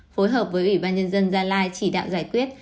phối hợp với ủy ban nhân dân gia lai chỉ đạo giải quyết